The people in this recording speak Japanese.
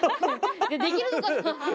できるのかな？